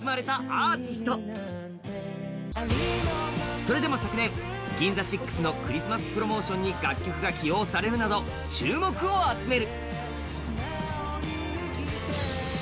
それでも昨年、ＧＩＮＺＡＳＩＸのクリスマスプロモーションに楽曲が使用されるなど注目を集める。